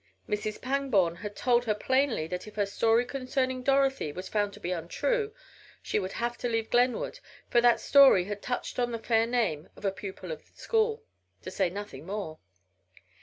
Mrs. Pangborn had told her plainly that if her story concerning Dorothy was found to be untrue she would have to leave Glenwood, for that story had touched on the fair name of a pupil of the school, to say nothing more.